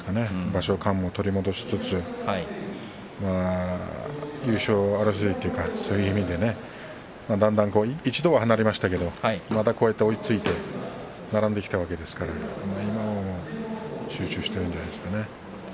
場所勘も取り戻しつつ優勝争いというかそういう意味で一度は離れましたけどこうやって追いついて並んできたわけですから今は集中しているんじゃないですかね。